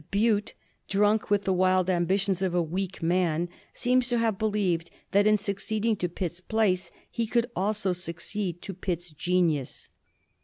Bute, drunk with the wild ambitions of a weak man, seems to have believed that in succeeding to Pitt's place he could also succeed to Pitt's genius.